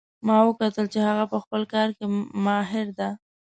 ما وکتل چې هغه په خپل کار کې ماهر ده